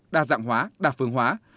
đa dạng hóa đa phương hóa